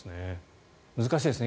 難しいですね。